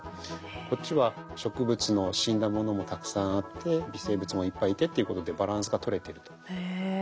こっちは植物の死んだものもたくさんあって微生物もいっぱいいてっていうことでへえ。